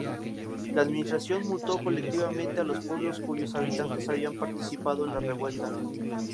La Administración multó colectivamente a los pueblos cuyos habitantes habían participado en la revuelta.